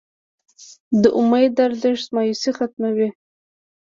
د امید ارزښت مایوسي ختموي.